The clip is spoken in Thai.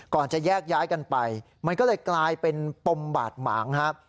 จะแยกย้ายกันไปมันก็เลยกลายเป็นปมบาดหมางครับ